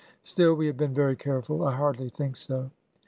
Still, we have been very careful. I hardly think so."